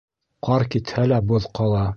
Ҡар китһә лә, боҙ ҡала.